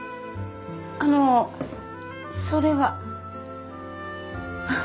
あのそれは？